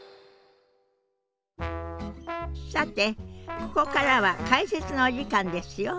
さてここからは解説のお時間ですよ。